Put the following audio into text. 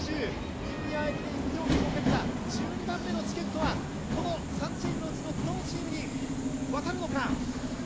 ニューイヤー駅伝出場権をかけた１２番目のチケットはこの３チームのうちのどのチームに渡るのか。